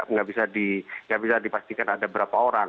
nggak bisa dipastikan ada berapa orang